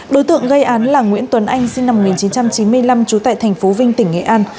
đối tượng gây án là nguyễn tuấn anh sinh năm một nghìn chín trăm chín mươi năm trú tại thành phố vinh tỉnh nghệ an